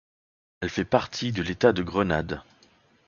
Elle fait partie de l'état de Grenade.